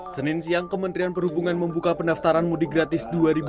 senin siang kementerian perhubungan membuka pendaftaran mudik gratis dua ribu dua puluh